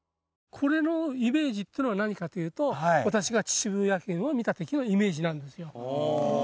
これのイメージっていうのが何かというと私が秩父野犬を見たときのイメージなんですよ